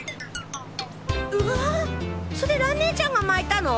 うわあっそれ蘭ねえちゃんが巻いたの？